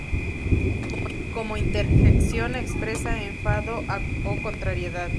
Como interjección expresa enfado o contrariedad.